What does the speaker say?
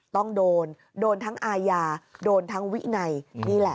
ต้องโดนโดนทั้งอาญาโดนทั้งวินัยนี่แหละ